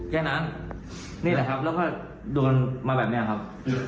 แค่นั้นนี่แหละครับแล้วก็โดนมาแบบนี้ครับ